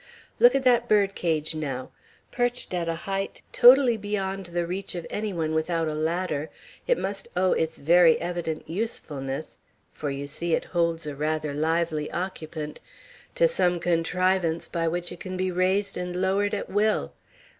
Look at that bird cage now. Perched at a height totally beyond the reach of any one without a ladder, it must owe its very evident usefulness (for you see it holds a rather lively occupant) to some contrivance by which it can be raised and lowered at will.